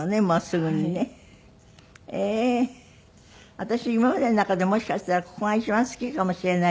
私今までの中でもしかしたらここが一番好きかもしれないと思うぐらい。